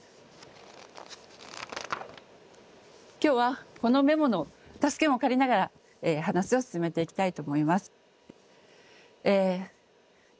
今日はこのメモの助けも借りながら話を進めていきたいと思います。